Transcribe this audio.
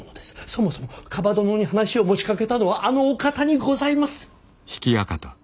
そもそも蒲殿に話を持ちかけたのはあのお方にございます。